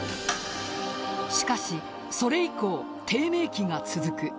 しかし、それ以降低迷期が続く。